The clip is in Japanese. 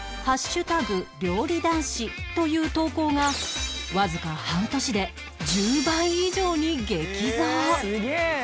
料理男子という投稿がわずか半年で１０倍以上に激増！